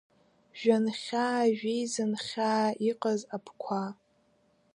Жәан-хьаа, жәеизан-хьаа иҟаз абқәа.